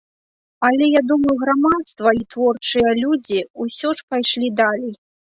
Але, я думаю, грамадства і творчыя людзі ўсё ж пайшлі далей.